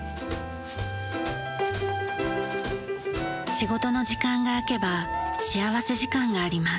仕事の時間が空けば幸福時間があります。